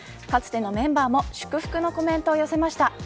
かつてのメンバーも祝福のコメントを寄せました。